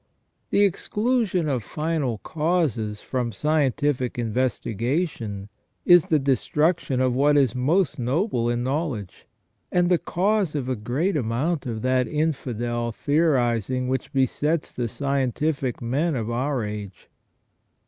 The exclusion of final causes from scientific investigation is the destruction of what is most noble in knowledge, and the cause of a great amount of that infidel theorizing which besets the scien tific men of our age.